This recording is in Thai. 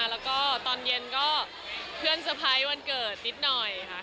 แล้วก็ตอนเย็นก็เพื่อนเซอร์ไพรส์วันเกิดนิดหน่อยค่ะ